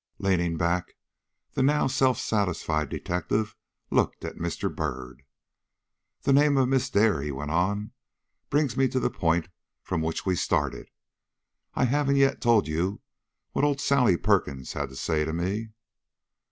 Leaning back, the now self satisfied detective looked at Mr. Byrd. "The name of Miss Dare," he went on, "brings me to the point from which we started. I haven't yet told you what old Sally Perkins had to say to me."